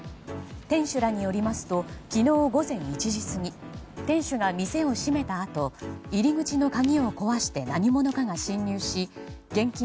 店主らによりますと昨日午前１時過ぎ店主が店を閉めたあと入り口の鍵を壊して何者かが侵入し現金